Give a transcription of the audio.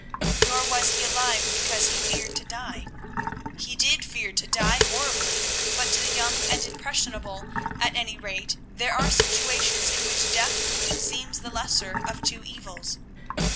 Nor was he alive because he feared to die. He did fear to die horribly, but to the young and impressionable, at any rate, there are situations in which death seems the lesser of two evils.